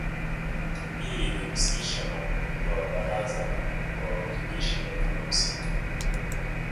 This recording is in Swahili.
Hii ilihusisha na muundo wa Baraza la Wawakilishi wa tume husika